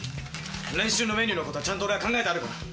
練習のメニューのことはちゃんと俺が考えてあるから。